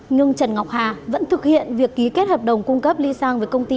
nhưng trần ngọc hà vẫn thực hiện việc ký kết hợp đồng cung cấp ly sang với công ty